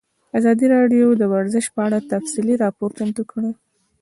ازادي راډیو د ورزش په اړه تفصیلي راپور چمتو کړی.